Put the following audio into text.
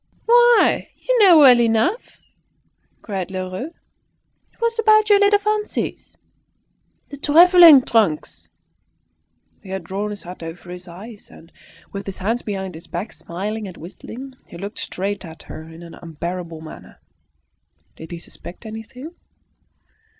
"Why, you know well enough," cried Lheureux. "It was about your little fancies the travelling trunks." He had drawn his hat over his eyes, and, with his hands behind his back, smiling and whistling, he looked straight at her in an unbearable manner. Did he suspect anything?